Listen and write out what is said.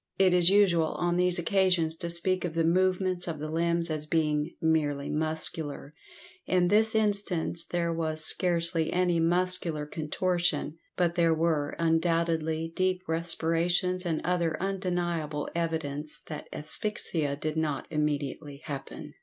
It is usual on these occasions to speak of the movements of the limbs as being "merely muscular," in this instance there was scarcely any muscular contortion, but there were undoubtedly deep respirations and other undeniable evidence that asphyxia did not immediately happen.